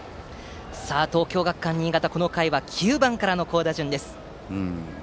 東京学館新潟は、この回は９番からの好打順です。